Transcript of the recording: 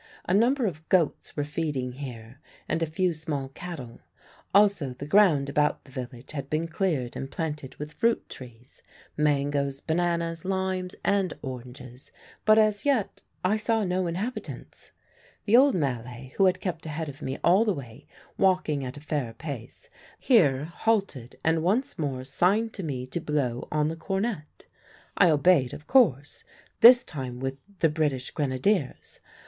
A number of goats were feeding here and a few small cattle; also the ground about the village had been cleared and planted with fruit trees, mangoes, bananas, limes, and oranges, but as yet I saw no inhabitants. The old Malay, who had kept ahead of me all the way, walking at a fair pace, here halted and once more signed to me to blow on the cornet. I obeyed, of course, this time with 'The British Grenadiers.'